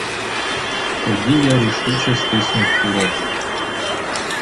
Тоді я рішуче стиснув курок.